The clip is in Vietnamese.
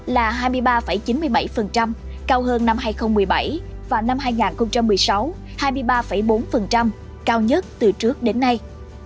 là hai mươi ba chín mươi bảy cao hơn năm hai nghìn một mươi bảy và năm hai nghìn một mươi sáu cao nhất từ trước đến nay